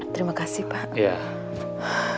terima kasih pak